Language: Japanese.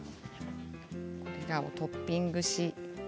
こちらをトッピングし。